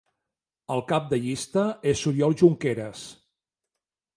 El cap de llista és Oriol Junqueras.